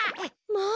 まあ。